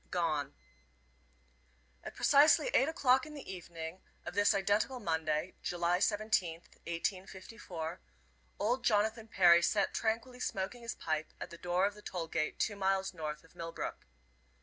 GONE. At precisely eight o'clock in the evening of this identical Monday, July 17th, 1854, old Jonathan Perry sat tranquilly smoking his pipe at the door of the toll gate two miles north of Millbrook.